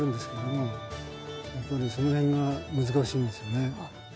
やっぱりその辺が難しいんですよね。